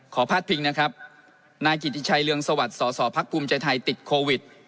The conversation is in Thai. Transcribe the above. พาดพิงนะครับนายกิติชัยเรืองสวัสดิ์สอสอพักภูมิใจไทยติดโควิด